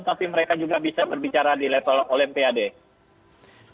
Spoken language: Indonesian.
tapi mereka juga bisa berbicara di level olimpiade